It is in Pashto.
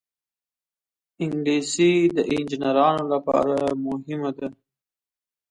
انګلیسي د انجینرانو لپاره مهمه ده